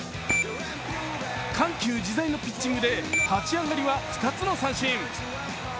緩急自在のピッチングで立ち上がりは２つの三振。